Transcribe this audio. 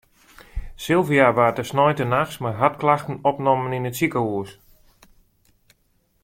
Sylvia waard de sneintenachts mei hartklachten opnommen yn it sikehûs.